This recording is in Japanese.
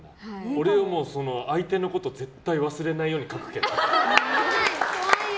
俺は相手のこと絶対忘れないように怖いよ。